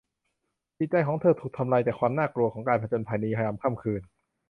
จิตใจของเธอถูกทำลายจากความน่ากลัวของการผจญภัยในยามค่ำคืน